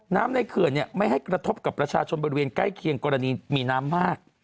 ในเขื่อนไม่ให้กระทบกับประชาชนบริเวณใกล้เคียงกรณีมีน้ำมาก